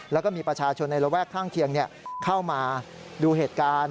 แล้วก็มีประชาชนในระแวกข้างเคียงเข้ามาดูเหตุการณ์